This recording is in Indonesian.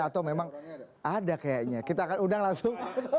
atau memang ada kayaknya kita akan undang langsung